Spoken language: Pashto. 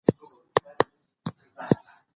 په سیاسي چارو کي په ګډه برخه واخلئ.